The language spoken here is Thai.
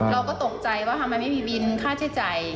ที่บินเราก็ตกใจว่าทำไมไม่มีบินค่าเศียร์ใจ